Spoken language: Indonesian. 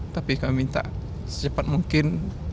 tapi kami minta secepat mungkin